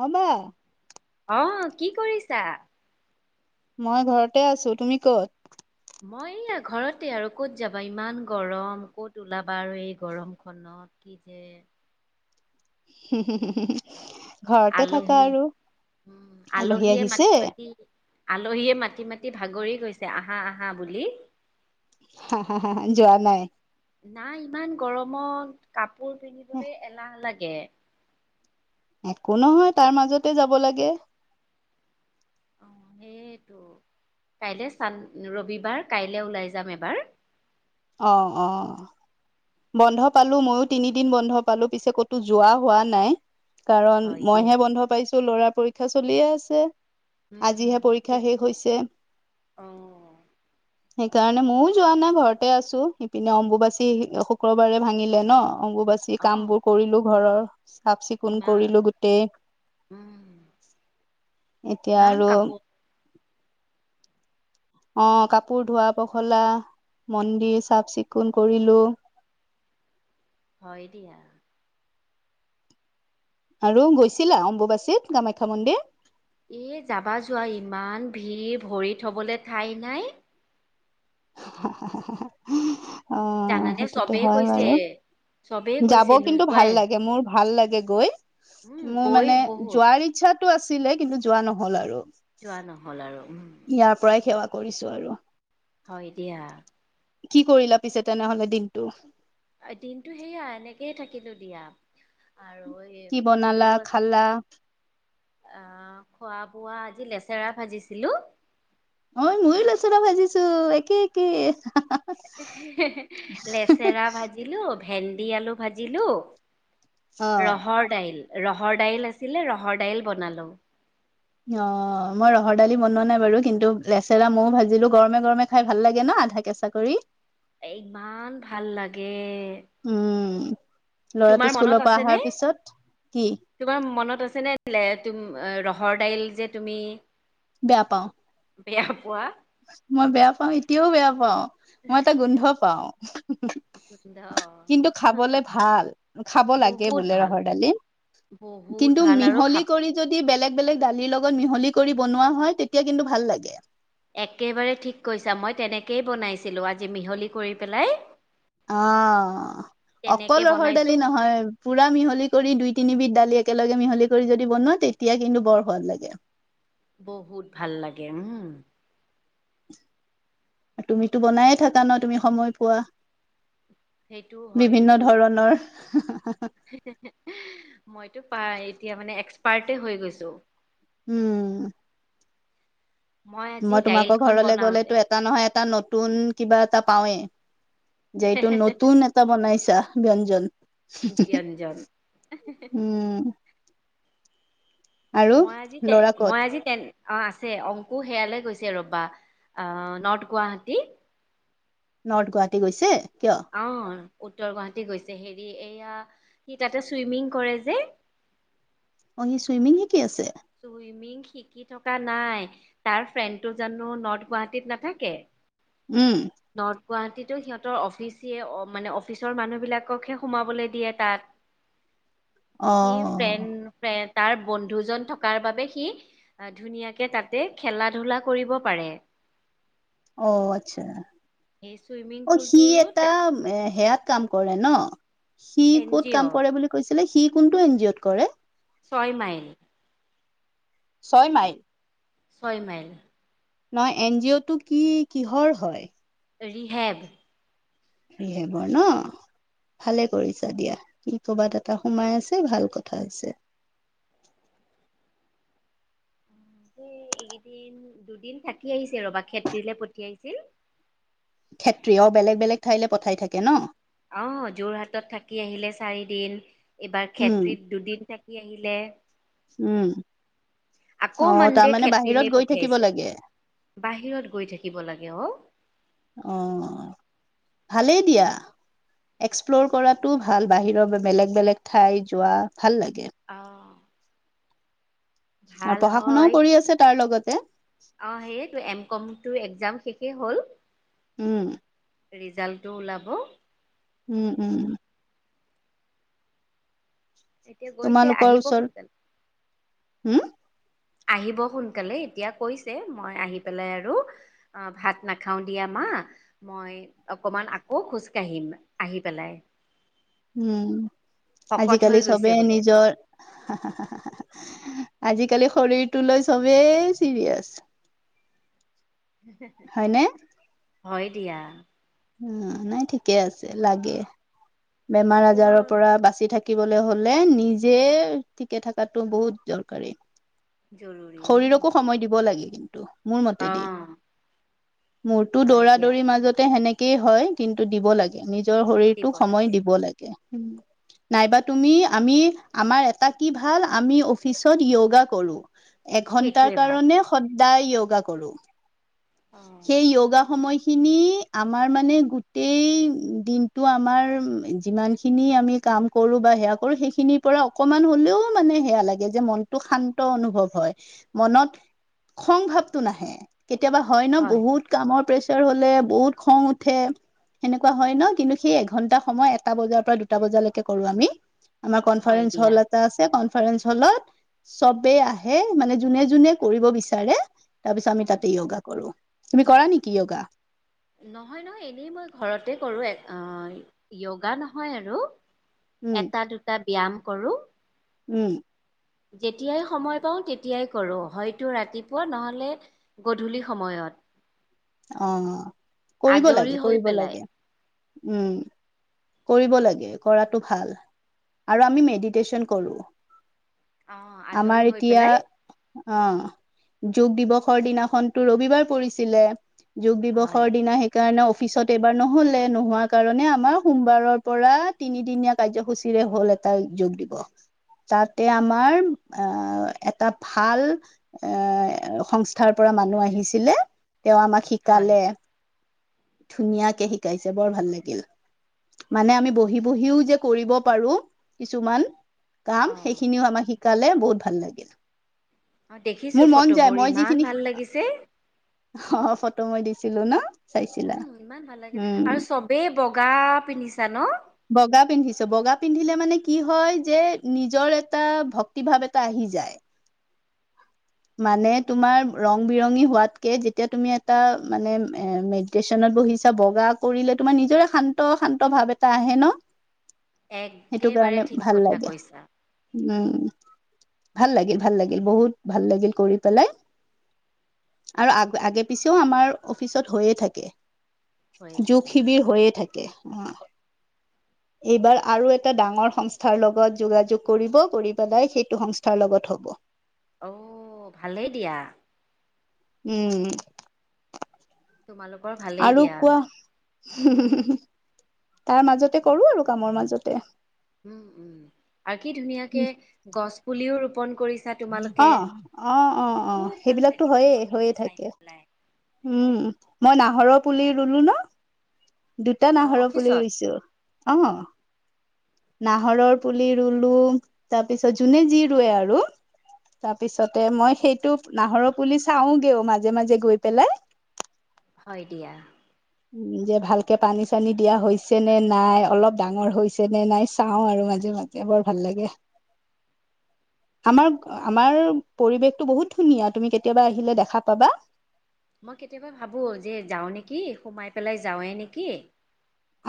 হ'ব আহ কি কৰিছা মই ঘৰতে আছোঁ তুমি ক'ত? মই এইয়া ঘৰতে আৰু ক'ত যাবা ইমান গৰম ক'ত ওলাবা আৰু এই গৰম খনত। কি যে হো ঘৰতে আলহী থাকা আৰু উম আলহী আলহীয়ে আহিছে মাটি মাতি, মাটি মাতি ভাগৰি কৈছে আহা আহা বুলি হা হা হা যোৱা নাই নাই ইমান গৰমত কাপ কাপোৰ পিন্ধিবলৈ এলাহ লাগে একো নহয় তাৰ মাজতে যাব লাগে অ সেইটো। কাইলে চান ৰবিবাৰ কাইলে ওলাই যাম এবাৰ অহ অহ বন্ধ পালো ময়ো তিনিদিন বন্ধ পালো পিছে ক'তো যোৱা হোৱা নাই কাৰণ হয় দিয়া। মইহে বন্ধ পাইছো ল'ৰাৰ পৰীক্ষা চলিয়ে আছে। উম আজিহে সেই পৰীক্ষা শেষ হৈছে। অ সেইকাৰণে ময়ো যোৱা নাই ঘৰতে আছো ইপিনে অম্বুবাচী শুক্ৰবাৰে ভাঙিলে ন অম্বুবাচী বাচি অ কাম বোৰ কৰিলো ঘৰৰ চাফ চিকুণ ইমান কৰিলো গোটেই উম এতিয়া ইমান আৰু কাপোৰ অ কাপোৰ ধোৱা পখলা, মন্দিৰ চাফ চিকুণ কৰিলো হয় দিয়া আৰু গৈছিলা অম্বুবাচীত কামাখ্যা মন্দিৰ। এ যাবা যোৱা ইমান ভিৰ ভৰি থবলৈ ঠাই নাই [unintelligible] অ জানানে সেইটোতো চবেই হয় কৈছে বাৰু চবেই যাব কৈছে কিন্তু ভাল নোযোৱাই লাগে মোৰ ভাল লাগে। গৈ উম মোৰ গৈ মানে বহুত যোৱাৰ ইচ্ছাতটো আছিলে কিন্তু যোৱা নহল আৰু যোৱা নহল আৰু উ কৰিছোঁ আৰু। হয় দিয়া কি কৰিলা পিছে তেনেহলে দিনটো। দিনটো সেয়া এনেকেই থাকিলো দিয়া। আৰু এই কি ভিনদেউ বনালা খালা। আহ খোৱা বোৱা আজি লেচেৰা ভাজিছিলো অই ময়ো লচলা ভাজিছো একে একে। লেচেৰা ভাজিলো ভেন্দি আলু ভাজিলো। অ ৰহৰ দাইল ৰহৰ দাইল আছিলে ৰহৰ দাইল বনালো। অ মই ৰহৰ দালি বনোৱা নাই বাৰু কিন্তু লেচেৰা ময়ো ভাজিলো গৰমে গৰমে খাই ভাল লাগে ন। আধা কেঁচা কৰি এ ইমান ভাল লাগে উম ল'ৰাটো তোমাৰ স্কুলৰ মনত পৰা আছে অহাৰ ন পিছত কি তোমাৰ মনত আছে নে? ঘৰ দাইল যে তুমি। বেয়া পাওঁ বেয়া পোৱা। মই বেয়া পাও এতিয়াও বেয়া পাও মই এটা গোন্ধ পাও। গোন্ধ কিন্তু খাবলে ভাল খাব লাগে বহুত বোলে ভাল ৰহৰ দালি বহুত কিন্তু ভাল আৰু মিহলি খাব কৰি যদি বেলেগ বেলেগ দালি লগ লগত মিহলি কৰি বনোৱা হয় তেতিয়া কিন্তু ভাল লাগে। একেবাৰে ঠিক কৈছা মই তেনেকেই বনাইছিলোঁ আজি মিহলি কৰি পেলাই। অ তেনেকে অকল ৰহৰ বনাইছো দালি নহয় পুৰা মিহলি কৰি দুই তিনিবধ দালি এক একেলগে মিহলি কৰি যদি বনোৱা তেতিয়া কিন্তু বৰ সোৱাদ লাগে। বহুত ভাল লাগে উম আৰু তুমিতো বনায়ে থাকা ন তুমি সময় পোৱা। সেইটোও হয় বিভিন্ন তুমিতো ধৰণৰ মইতো পাই- এতিয়া মানে এক্সপাৰ্টে হৈ গৈছো। উম আজি মই তোমাকৰ দাইলখন ঘৰলে বনাওতে গ'লেতো এটা নহয় এটা নতুন কিবা এটা পাওঁৱেই যে এইটো নতুন এটা বনাইছা ব্যঞ্জন ব্যঞ্জন উম। আৰু মই আজি তে ল'ৰা ক'ত মই আজি তে অ আছে অংকু সেয়ালৈ গৈছে ৰবা আহ নৰ্থ গুৱাহাটী নৰ্থ গুৱাহাটী গৈছে। কিয় অ উত্তৰ গুৱাহাটী গৈছে হেৰি এয়া সি তাতে চুইমিং কৰে যে অ সি চুইমিং শিকি কি আছে। চুইমিং শিকি থকা নাই তাৰ ফ্ৰেণ্ডটো জানোঁ নৰ্থ গুৱাহাটীত নাথাকে। উম নৰ্থ গুৱাহাটীতো সিহঁতৰ অফিচে অ মানে অফিচৰ মানুহ বিলাককহে সোমাবলৈ দিয়ে তাত [unintelligible] অ কি ফ্ৰেণ্ ফ্ৰে তাৰ বন্ধুজন থকাৰ বাবে সি ধুনীয়াকে তাতে খেলা ধূলা কৰিব পাৰে অ আচ্ছা সেই চুইমিং অ সি পুলটোৰো এটা সেয়াত কাম কৰে ন সি এন ক'ত জি কাম অ' কৰে বুলি কৈছিলে সি কোনটো এন জি অ'ত কৰে ছয় মাইল ছয় মাইল ছয় মাইল নহয় এন জি অ' টো কি কিহৰ হয় ৰিহেব ৰিহেৱৰ ন ভালে কৰিছা দিয়া ই কৰ'বাত এটা সোমাই আছে ভাল কথা আছে। [inaudible] এইকেইদিন দুদিন থাকি আহিছে ৰবা খেতিলে পঠিয়াইছিল। ক্ষেত্ৰিয় বেলেগ বেলেগ ঠাইলে পঠাই থাকে ন। আহ যোৰহাটত থাকি আহিলে চাৰিদিন এইবাৰ উম খেত্ৰীত দুদিন থাকি আহিলে উম আকৌ অ মানদে তাৰমানে বাহিৰত খেত্ৰিলে গৈ থাকিব পঠিয়াইছে। লাগে বাহিৰত গৈ থাকিব লাগে অ অ ভালেই দিয়া এক্সপ্ল'ৰ কৰাটো ভাল বাহিৰৰ বেলেগ বেলেগ ঠাই যোৱা ভাল লাগে। অ আৰু ভাল পঢ়া হয় শুনাও কৰি আছে তাৰ লগতে অ সেই এম কমটো একজাম শেষে হ'ল। উম। ৰিজাল্টটো ওলাব। উম উম উ এতিয়া গৈছে আহিব সোনকালে। উম আহিব সোনকালে এতিয়া কৈছে মই আহি পেলাই আৰু অ ভাত নাখাও দিয়া মা, হা মই অকমান আকৌ খোজ কাঢ়িম আহি পেলাই উম শকত হৈ আজিকালি গৈছে চবে বোলে নিজৰ আজিকালি শৰীৰটোলৈ চবেই চিৰীয়েছ হয় দিয়া উ নাই ঠিকে আছে লাগে বেমাৰ আজাৰৰ অকল পৰা বাচি থাকি শিকিবলৈ হলে নিজে ঠিকে থকাটো বহুত দৰকাৰী জৰুৰী উম শৰীৰকো সময় দিব লাগে কিন্তু। মোৰ অ মতেদি মোৰতো হয় দৌৰা দিয়া দৌৰি মাজতে সেনেকেই হয় কিন্তু দিব লাগে নিজ নিজৰ দিব শৰীৰটোক সময় লাগে দিব লাগে নাইবা তুমি আমি আমাৰ এটা কি ভাল আমি অফিচত য়গা কৰো। এঘন্টাৰ সেইটোৱে ভাল কাৰণে সদায় য়োগা কৰো অ সেই য়োগা সময় খিনি আমাৰ মানে গোটেই দিনটো আমাৰ যিমান খিনি আমি কাম কৰো বা সেয়া কৰো সেইখিনিৰ পৰা অকমান হ'লেও মানে সেয়া লাগে যে মনটো শান্ত অনুভৱ মনত খং ভাৱটো নাহে কেতিয়াবা হয় ন বহুত কামৰ প্ৰেচাৰ হলে বহুত খং উঠে। সেনেকুৱা হয় ন, কিন্তু সেই এঘন্টা সময় এটা বজাৰ পৰা দুটা বজালৈকে কৰো আমি। আমাৰ হয় কনফাৰেন্স হল দিয়া এটা আছে কনফাৰেন্স হলত চবেই আহে হে মানে যোনে যোনে কৰিব বিচাৰে তাৰ পিছত আমি উম তাতে য়গা কৰো তুমি কৰা নেকি য়গা। নহয় নহয় এনেই মই ঘৰতে কৰো য়গা নহয় আৰু উম এটা দুটা ব্যয়াম কৰোঁ উম যেতিয়াই সময় পাও তেতিয়াই কৰো হয়তো ৰাতিপুৱা নহলে গধূলি সময়ত অ' কৰিব আজৰি লাগে হৈ কৰিব পেলাই লাগে। উম কৰিব লাগে কৰাটো ভাল আৰু আমি মেডিটেশ্যন কৰোঁ অ' আজৰি হৈ পেলাই অ' যোগ দিৱসৰ দিনাখনতো ৰবিবাৰ পৰিছিলে! যোগ হয় দিৱসৰ দিনা সেইকাৰণে পিছত এইবাৰ নহ'লে। নোহোৱাৰ কাৰণে আমাৰ সোমবাৰৰ পৰা তিনিদিনীয়া কাৰ্যসূচীৰে হ'ল। তাই যোগ দিব। তাতে আমাৰ আ এটা ভাল এ সংস্থাৰ পৰা মানুহ আহিছিলে। তেওঁ আমাক হয়। শিকালে। ধুনীয়াকে শিকাইছে, বৰ ভাল লাগিল। মানে আমি বহি-বহিও যে কৰিব পাৰো, কিছুমান কাম, অ', সেইখিনিও আমাক শিকালে বহুত ভাল লাগিল। অ' মোৰ দেখিছো মন যায় ফটোবোৰ, মই ইমান যিখিনি ভাল লাগিছে। অ' ফটো মই দিছিলো ন! চাইছিলা। উম ইমান ভাল লাগিল। উম আৰু চবেই বগা পিন্ধিছা ন? বগা পিন্ধিছো, বগা পিন্ধিলে মানে কি হয় যে নিজৰ এটা ভক্তিভাৱ এটা আহি যায়। মানে তোমাৰ ৰং-বিৰঙী হোৱাতকে, যেতিয়া তুমি এটা মানে মেডিটেচনত বহিছা, বগা কৰিলে তোমাৰ নিজৰে শান্ত-শান্ত ভাৱ এটা আহে ন? একেবাৰে সেইটোকাৰণে ঠিক ভাল কথা লাগে। কৈছা উম। ভাল লাগিল, ভাল লাগিল। বহুত ভাল লাগিল কৰি পেলাই আৰু আগ-আগে পিছেও আমাৰ অফিচত হৈয়ে থাকে। হৈয়ে যুগ থাকে। শিবিৰ হৈয়ে থাকে। এইবাৰ আৰু এটা ডাঙৰ সংস্থাৰ লগত যোগাযোগ কৰিব। কৰি পেলাই সেইটো সংস্থাৰ লগত হ'ব। ঔ ভালেই দিয়া। উম। তোমালোকৰ ভালেই আৰু দিয়া। কোৱা? তাৰ মাজতে কৰো আৰু কামৰ মাজতে। উম উম। আৰু কি ধুনীয়াকে গছ পুলিও ৰু অ', অ', অ', খুব অ', ভাল সেইবিলাকতো লাগিছে হয়েই। হৈয়ে ফটোবোৰ চাই থাকে। পেলাই। উম মই নাহৰৰ পুলি ৰুলো ন! দুটা অ নাহৰৰ পুলি অফিচত ৰুইছো। অ'। নাহৰৰ পুলি ৰুলো, তাৰপিছত যোনে যি ৰুৱে আৰু! তাৰপিছতে মই সেইটো নাহৰ পুলি চাওগেও মাজে মাজে গৈ পেলাই হয় দিয়া। উম, যে ভালকে পানী-চানী দিয়া হৈছে নে নাই? অলপ ডাঙৰ হৈছে নে নাই চাও আৰু মানে মাজে মাজে। বৰ ভাল লাগে। আমাৰ, আমাৰ পৰিৱেশটো বহুত ধুনীয়া। তুমি কেতিয়াবা আহিলে দেখা পাবা। মই কেতিয়াবা ভাবো যে যাওঁ নেকি! সোমাই পেলাই যাওঁৱে নেকি!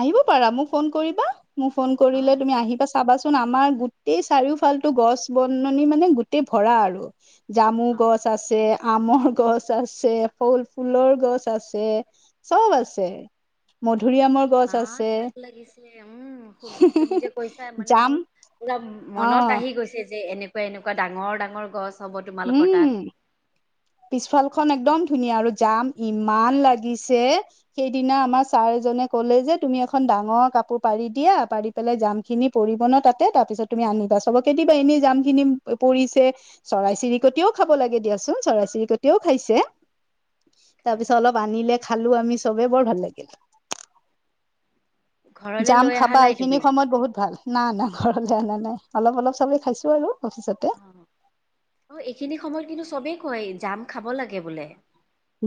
আহিব পাৰা, মোক ফোন কৰিবা। মোক ফোন অ কৰিলে তুমি আহিবা। চাবাচোন, আমাৰ গোটেই চাৰিওফালতো গছ-বননি মানে গোটেই ভৰা আৰু! জামু অ গছ আছে, আমৰ গছ আছে, ফল-ফুলৰ গছ আছে। চব আছে। মধুৰি আম ইমান ভাল লাগিছে। উম, শু তুমি যে কৈছা মানে মোৰ জাম পুৰা অ মনত আহি গৈছে যে এনেকুৱা, এনেকুৱা ডাঙৰ-ডাঙৰ গছ হ'ব তোমালোকৰ তাত। খন একদম ধুনীয়া আৰু জাম ইমান লাগিছে! সেইদিনা আমাৰ ছাৰ এজনে ক'লে যে তুমি এখন ডাঙৰ কাপোৰ পাৰি দিয়া, পাৰি পেলাই জামখিনি পৰিব ন তাতে, তাৰপিছত তুমি আনিবা। চবকে দিবা, এনে জামখিনি পৰিছে চৰাই-চিৰিকটিয়েও খাব লাগে দিয়াচোন, চৰাই-চিৰিকটিয়েও খাইছে। তাৰপিছত খাইছে অলপ আনিলে খালো আমি চবে বৰ ভাল লাগিল ঘৰলে জাম লৈ অহা খাবা নাই এইখিনি তুমি সময়ত বহুত ভাল নাই না ঘৰলৈ অনা নাই অলপ অলপ চাবেই খাইছো আৰু অফিচতে অ অ এইখিনি সময়ত কিন্তু চবেই কয় জাম খাব লাগে বোলে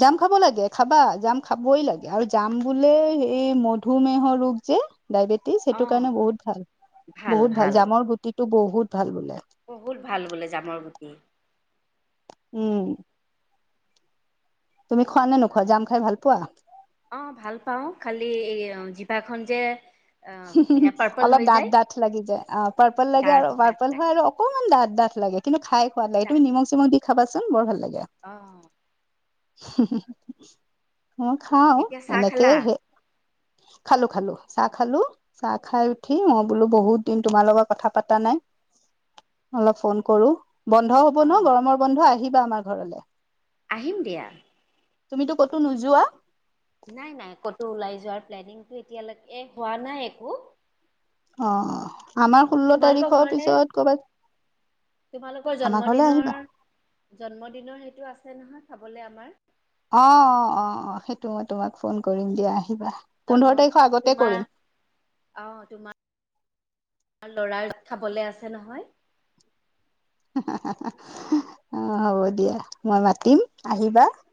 জাম খাব লাগে খাবা জাম খাবই লাগে আৰু জাম বোলে এই মধুমেহৰ ৰোগ যে [unintelligible] ডায়েবেটিছ অ সেইটো কাৰণে বহুত ভাল বহুত ভাল জামৰ গুটিটো বহুত ভাল বোলে বহুত ভাল বোলে জামৰ গুটি উম তুমি খোৱা নে নোখোৱা জাম খাই ভাল পোৱা অ 'ভাল পাওঁ খালি এ জিভাখনন যে আহ সেয়া পাৰ্পল অলপ হৈ ডাঠ যায় ডাঠ লাগি যায় অ পাৰ্পল লাগে দাঁত আৰু দাঁত পাৰ্পল হয় লাগে আৰু অকমান দাঠ ডাঠা লাগে গ লাগেকিন্তু খোৱ লাগে তুমি নিমখ চিমখ দি খাচোন বৰ ভাল লাগে অহ মই খাও এতিয়া চাহ খালা এনেকেই হে খালো খালো চাহ খালো চাহ খাই অ উঠি বোলো বহুত দিন তোমাৰ লগত কথা পতা নাই অলপ ফোন কৰো বন্ধ হব অ ন গৰমৰ বন্ধ আহিবা, আমাৰ ঘৰলৈ। আহিম দিয়া। তুমিতো কতো নোযোৱা নাই নাই ক'তো ওলাই যোৱাৰ প্লেনিংটো এতিয়ালৈকে হোৱা নাই একো অ আমাৰ ষোল্ল তোমালোকৰ তাৰিখৰ ঘৰলে পিছত ক'বাত তোমালোকৰ জন্মদিনৰ জন্মদিনৰ সেইটো আছে নহয় খাবলে আমাৰ অ অ অ অ সেইটো মই তোমাক ফোন কৰিম দিয়া আহ পোন্ধৰ জন্মত তাৰিখৰ আগতে তোমাৰ কৰিম আমাৰ লৰাৰ খাবলৈ আছে নহয় হে হে হাহা অ হ'ব দিয়া মই মাতিম আহিবা [unintelligible]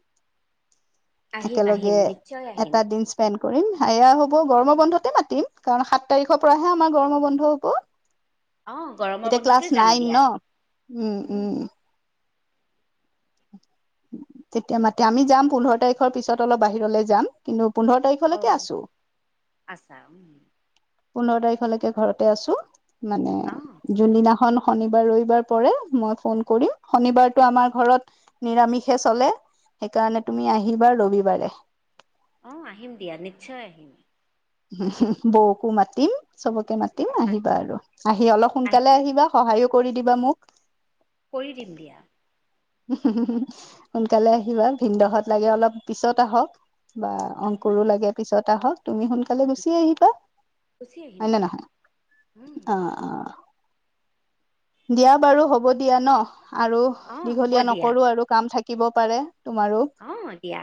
আহিম আহিম একেলগে নিশ্চয় আহিম এটা দিন স্পেণ্ড কৰিম সয়া হ'ব গৰম বন্ধতে মাতিম কাৰণ সাত তাৰিখৰ পৰাহে আমাৰ গৰম বন্ধ হ'ব অ গৰমৰ এতিয়া ক্লাছ বন্ধতে যাম নাইন দিয়া ন উম উম তেতিয়া মাতি আমি যাম পোন্ধৰ তাৰিখৰ পিছত অলপ বাহিৰলে যাম কিন্তু পোন্ধৰ অ তাৰিখলৈকে আছো আছা উম পোন্ধৰ তাৰিখলৈকে ঘৰতে আছো মানে অ যোনদিনাখন শনিবাৰ ৰবিবাৰ পৰে মই ফোন কৰিম শনিবাৰতটো আমাৰ ঘৰত নিৰামিষে চলে সেইকাৰণে তুমি আহিবা ৰবিবাৰে আহ আহিম দিয়া নিশ্চয় আহিম বৌকো মাতিম চবকে মাতিম তিম আহ আহিবা আৰু আহি অলপ সোনকালে আহিম আহিবা সহায়ো কৰি দিবা মোক কৰি দিম দিয়া সোনকালে আহিবা ভিনদহত লাগে অলপ পিছত আহক বা হ'ব অংকুৰো দিয়া লাগে পিছত আহক তুমি সোনকালে গুচি আহিবা গুচি আহিম হয় নে দিয়া নহয় উম অ অ দিয়া বাৰু হ'ব দিয়া ন আৰু অ হ'ব দীঘলীয়া নকৰো আৰু কাম থাকিব পাৰে তোমাৰো আহ এতিয়া